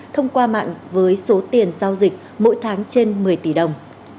thông qua mạng với số tiền giao dịch mỗi tháng trên một mươi tỷ đồng